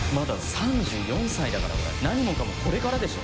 ３４歳だから俺何もかもこれからでしょ？